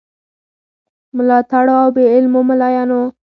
ملاتړو او بې علمو مُلایانو.